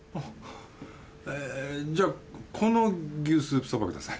えじゃあこの牛スープそばください。